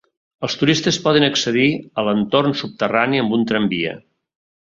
Els turistes poden accedir a l'entorn subterrani amb un tramvia.